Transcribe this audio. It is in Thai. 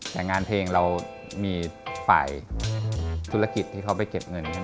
แต่งานเพลงเรามีฝ่ายธุรกิจที่เขาไปเก็บเงิน